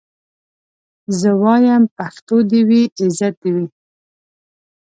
زه وايم پښتو دي وي عزت دي وي